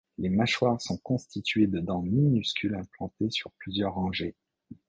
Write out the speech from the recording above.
Les mâchoires sont constituées de dents minuscules implantées sur plusieurs rangées.